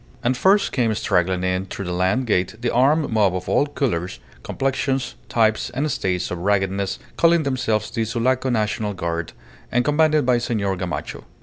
And first came straggling in through the land gate the armed mob of all colours, complexions, types, and states of raggedness, calling themselves the Sulaco National Guard, and commanded by Senor Gamacho.